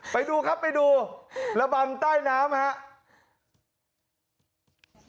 ไปดูครับไปดูระบำใต้น้ำครับ